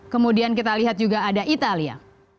kemudian kita lihat juga ada italia